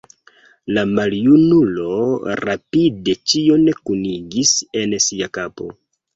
La maljunulo rapide ĉion kunigis en sia kapo.